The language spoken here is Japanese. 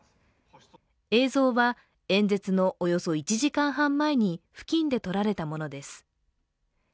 映像は演説のおよそ１時間半前に付近で撮られたものです。